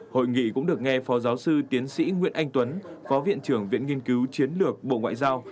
hội nghị cũng được nghe phó giáo sư tiến sĩ nguyễn anh tuấn phó viện trưởng viện nghiên cứu chiến lược bộ ngoại giao